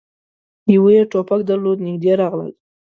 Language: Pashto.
يوه يې ټوپک درلود. نږدې راغلل،